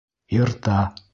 Йырта.